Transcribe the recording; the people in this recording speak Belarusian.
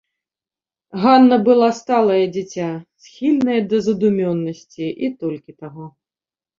Ганна была сталае дзіця, схільнае да задумёнасці, і толькі таго.